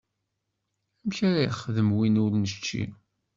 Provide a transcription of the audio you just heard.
Amek ara yexdem win ur nečči?